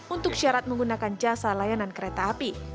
untuk syarat menggunakan jasa layanan kereta api